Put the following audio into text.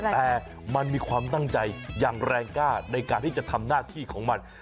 แต่มันมีความตั้งใจอย่างแรงกล้าในการที่จะทำหน้าที่ของมัน